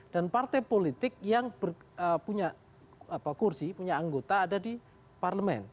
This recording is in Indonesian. dan partai politik yang punya kursi punya anggota ada di parlemen